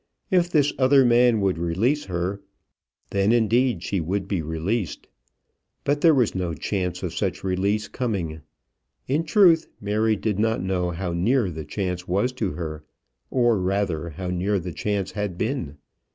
If this other man would release her, then indeed she would be released. But there was no chance of such release coming. In truth, Mary did not know how near the chance was to her; or rather, how near the chance had been.